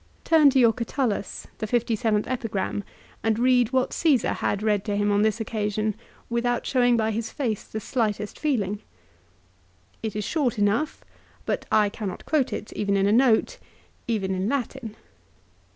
Turn to your Catullus, the 57th Epigram, and read what Caesar had read to him on this occasion, with out showing by his face the slightest feeling. It is short enough, but I cannot quote it even in a note, even in Latin.